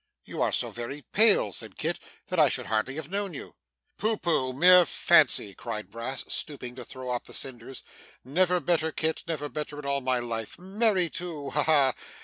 'You are so very pale,' said Kit, 'that I should hardly have known you.' 'Pooh pooh! mere fancy,' cried Brass, stooping to throw up the cinders. 'Never better, Kit, never better in all my life. Merry too. Ha ha!